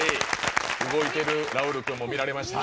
動いてるラウール君も見られました。